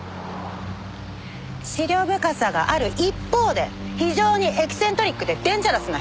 思慮深さがある一方で非常にエキセントリックでデンジャラスな人なんです！